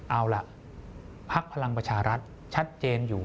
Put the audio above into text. เอาล่ะพักพลังประชารัฐชัดเจนอยู่